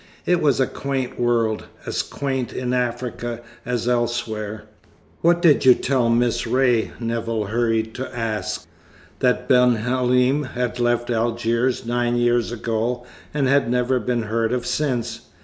It was a quaint world; as quaint in Africa as elsewhere. "What did you tell Miss Ray?" Nevill hurried to ask. "That Ben Halim had left Algiers nine years ago, and had never been heard of since.